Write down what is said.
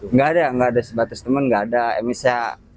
nggak ada sebatas teman nggak ada msa